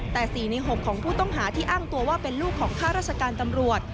แต่๔ใน๖ของผู้ต้องหาที่อ้างตัวว่าเป็นลูกของข้าราชการตำรวจ